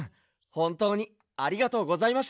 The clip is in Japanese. ほんとうにありがとうございました。